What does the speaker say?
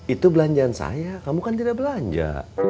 itu belanjaan saya kamu kan tidak belanja